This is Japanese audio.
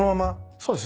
そうです。